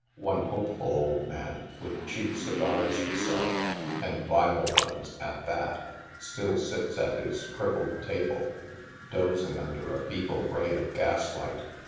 One hopeful old man, with cheap segars to sell — and vile ones " at that"— still sits at his crippled table, dozing under a feeble ray of gas light.